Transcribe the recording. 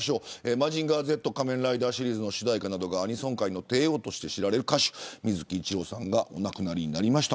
マジンガーＺ仮面ライダーシリーズの主題歌などアニソン界の帝王として知られる歌手水木一郎さんが亡くなりました。